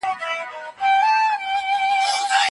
فساد د ټولني اخلاقي نظام خرابوي.